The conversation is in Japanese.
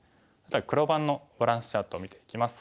黒番のバランスチャートを見ていきます。